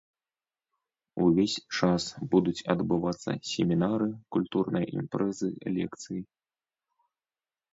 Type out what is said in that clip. Увесь час будуць адбывацца семінары, культурныя імпрэзы, лекцыі.